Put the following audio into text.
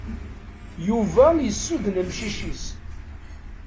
Yuba yessuden amcic-is.